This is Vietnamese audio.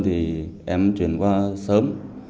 thì em chuyển qua sớm